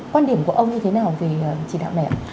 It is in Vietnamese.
quan điểm của ông như thế nào về chỉ đạo này ạ